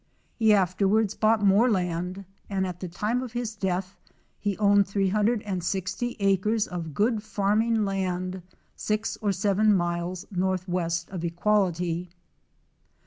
He after wards bought more land, and at the time of his death he owned 360 acres of good farming land six or seven miles northwest of Equality.